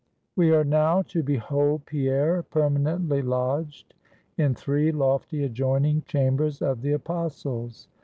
We are now to behold Pierre permanently lodged in three lofty adjoining chambers of the Apostles.